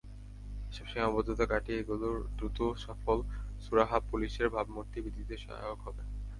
এসব সীমাবদ্ধতা কাটিয়ে এগুলোর দ্রুত সফল সুরাহা পুলিশের ভাবমূর্তি বৃদ্ধিতে সহায়ক হবে।